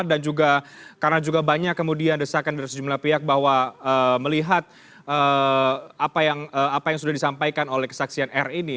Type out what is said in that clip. dan juga karena juga banyak kemudian desakan dari sejumlah pihak bahwa melihat apa yang sudah disampaikan oleh kesaksian r ini